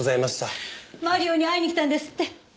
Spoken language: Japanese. マリオに会いに来たんですって。